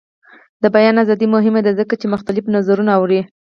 د بیان ازادي مهمه ده ځکه چې مختلف نظرونه اوري.